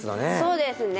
そうですね。